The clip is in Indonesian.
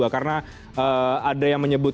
karena ada yang menyebut